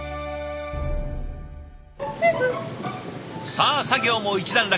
さあ作業も一段落。